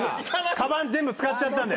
かばん全部使っちゃったんで。